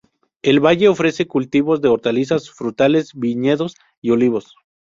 El valle ofrece cultivos de hortalizas, frutales, viñedos y olivos.